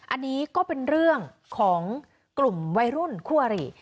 อันนี้ก็เป็นเรื่องของกลุ่มวัยรุ่นคู่อริ